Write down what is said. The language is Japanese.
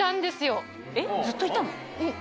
ずっといたの？